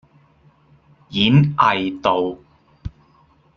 演藝道